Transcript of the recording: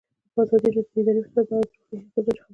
ازادي راډیو د اداري فساد په اړه د روغتیایي اغېزو خبره کړې.